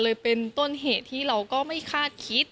เลยเป็นต้นเหตุที่เราก็ไม่คาดคิด